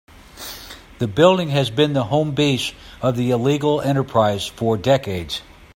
The building has been the home base of the illegal enterprise for decades.